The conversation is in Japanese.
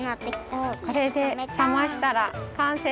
そうこれで冷ましたら完成です。